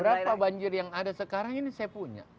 berapa banjir yang ada sekarang ini saya punya